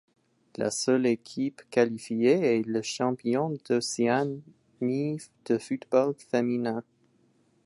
La seule équipe qualifiée est le champion d'Océanie de football féminin.